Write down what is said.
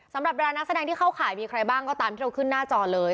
สำหรับดารานักแสดงที่เข้าข่ายมีใครบ้างก็ตามที่เราขึ้นหน้าจอเลย